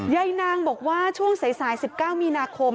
ยายนางบอกว่าช่วงสาย๑๙มีนาคม